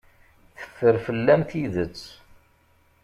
Teffer fell-am tidet.